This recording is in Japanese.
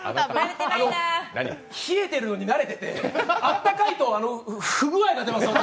冷えてるのに慣れてて、あったかいと不具合が出ます、私。